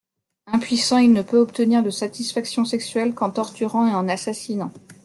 Impuissant, il ne peut obtenir de satisfaction sexuelle qu’en torturant et en assassinant.